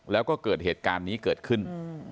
แล้วก็เกิดเหตุการณ์นี้เกิดขึ้น